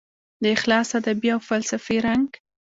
د اخلاص ادبي او فلسفي رنګ